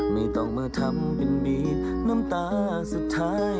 ไม่ต้องมาทำเป็นบีต